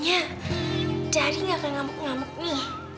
nya dari nggak ke ngamuk ngamuk nih